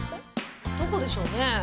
どこでしょうね。